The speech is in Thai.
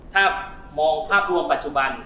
ถ้ามองภาพรวมปัจจุบัน